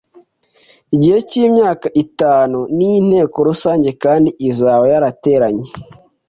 Igihe cy’imyaka itanu n’inteko rusange kandi izaba yarateranye